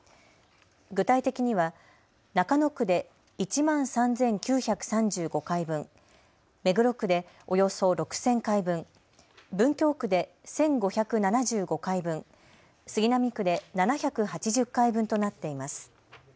具体的には中野区で１万３９３５回分、目黒区でおよそ６０００回分、文京区で１５７５回分、杉並区で７８０回分となっています。